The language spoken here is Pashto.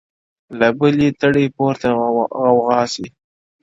له بلي تړي پورته غوغا سي-